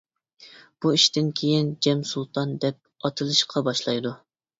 بۇ ئىشتىن كېيىن جەم سۇلتان دەپ ئاتىلىشقا باشلايدۇ.